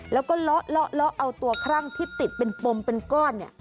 แล้วก็เลาะเอาตัวครั่งที่ติดเป็นปมเป็นก้อนเนี่ย